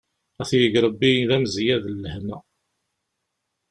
Ad t-yeg Rebbi d amezyad n lehna!